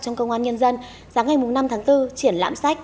trong công an nhân dân sáng ngày năm tháng bốn triển lãm sách